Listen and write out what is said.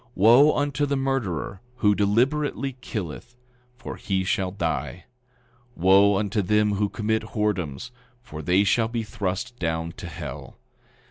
9:35 Wo unto the murderer who deliberately killeth, for he shall die. 9:36 Wo unto them who commit whoredoms, for they shall be thrust down to hell.